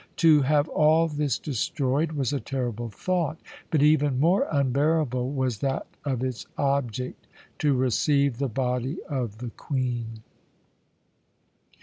To have all this destroyed was a terrible thought, but even more unbearable was that of its object to receive the body of the Queen.